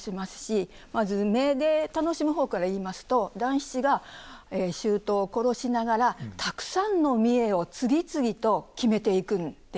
まず目で楽しむ方から言いますと団七が舅を殺しながらたくさんの見得を次々と決めていくんですね。